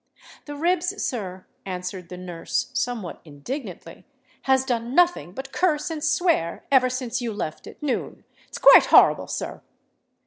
"The Ribs, sir," answered the nurse, somewhat indignantly, "has done nothing but curse and swear ever since you left at noon. It's quite horrible, sir."